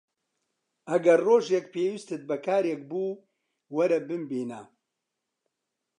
ئەگەر ڕۆژێک پێویستت بە کارێک بوو، وەرە بمبینە.